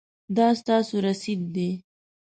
دا ستاسو رسید دی